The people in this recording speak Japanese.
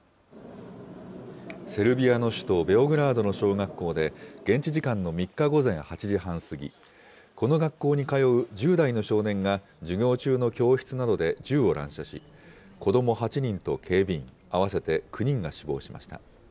セルビアの首都ベオグラードの小学校で、現地時間の３日午前８時半過ぎ、この学校に通う１０代の少年が、授業中の教室などで銃を乱射し、子ども８人と警備員、合わせて９人が死亡しました。